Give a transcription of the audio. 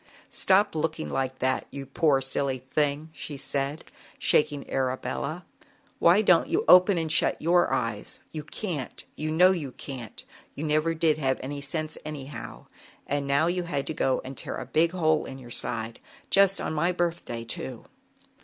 "Stop looking like that, you poor silly thing!" she said, shaking Arabella. "Why don't you open and shut your eyes? you can't, you know you can't 82 ZAUBERLINDA, THE WISE WITCH. you never did have any sense, anyhow, and now you had to go and tear a big hole in your side, just on my birthday, too."